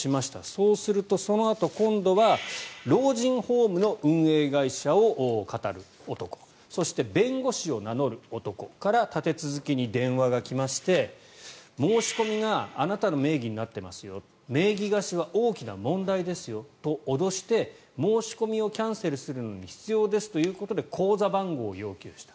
そうすると、そのあと今度は老人ホームの運営会社をかたる男そして弁護士を名乗る男から立て続けに電話が来まして申し込みがあなたの名義になっていますよ名義貸しは大きな問題ですよと脅して申し込みをキャンセルするのに必要ですということで口座番号を要求した。